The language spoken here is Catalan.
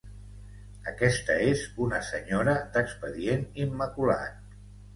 Aquesta és una senyora d'expedient immaculat.